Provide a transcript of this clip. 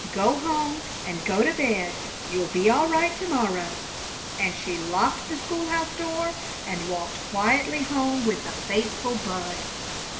"Go home and go to bed. You'll be all right to morrow!" And she locked the school house door and walked quietly home with the faithful Bud.